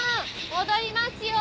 戻りますよ！